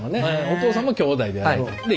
お父さんも兄弟でやってる。